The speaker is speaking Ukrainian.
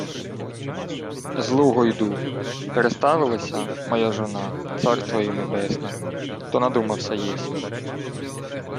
— З Лугу йду. Переставилася, моя жона, царство їй небесне, то надумався єсмь...